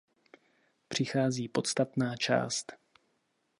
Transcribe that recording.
Přichází podstatná část.